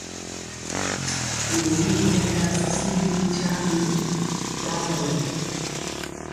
Ŋguli nkenja tyityimbi mi tyiambe y bagɔlo.